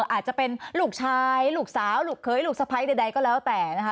อาจจะเป็นลูกชายลูกสาวลูกเคยลูกสะพ้ายใดก็แล้วแต่นะคะ